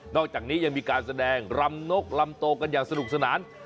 อกจากนี้ยังมีการแสดงรำนกลำโตกันอย่างสนุกสนาน